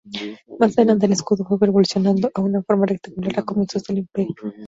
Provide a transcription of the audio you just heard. Más adelante el escudo fue evolucionando a una forma rectangular a comienzos del Imperio.